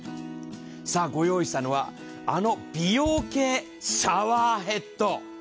さあご用意したのはあの美容系シャワーヘッド。